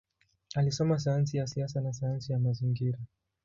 Alisoma sayansi ya siasa na sayansi ya mazingira.